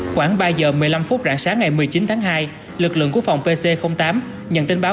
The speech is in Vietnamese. khoảng ba giờ một mươi năm phút rạng sáng ngày một mươi chín tháng hai lực lượng của phòng pc tám nhận tin báo